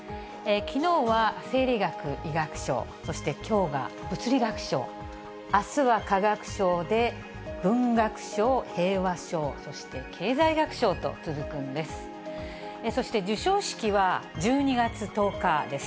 きのうは生理学・医学賞、そしてきょうが物理学賞、あすは化学賞で、文学賞、平和賞、そして経済学賞と続くんです。